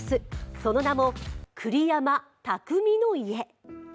その名も、「栗山巧の家」。